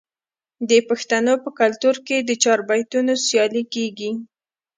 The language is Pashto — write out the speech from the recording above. د پښتنو په کلتور کې د چاربیتیو سیالي کیږي.